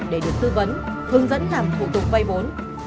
để được thư vấn hướng dẫn làm thủ tục vay bốn